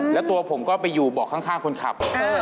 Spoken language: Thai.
แล้วตัวผมก็ไปอยู่เบาะข้างคนขับ